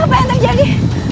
apa yang terjadi